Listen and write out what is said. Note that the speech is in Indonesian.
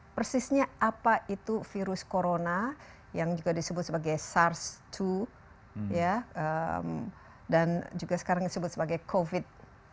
persisnya apa itu virus corona yang juga disebut sebagai sars dua dan juga sekarang disebut sebagai covid sembilan belas